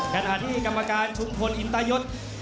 ขณะที่กรรมการชุมพลอินตายศ